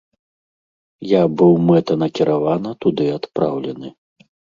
Я быў мэтанакіравана туды адпраўлены.